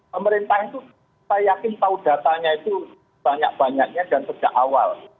pemerintah itu saya yakin tahu datanya itu banyak banyaknya dan sejak awal